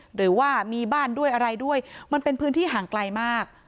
หรือว่ามีบ้านด้วยอะไรด้วยมันเป็นพื้นที่ห่างไกลมาก